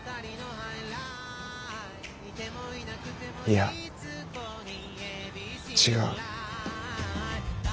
いや違う。